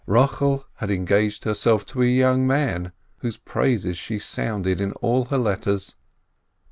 Rochel had engaged herself to a young man, whose praises she sounded in her letters.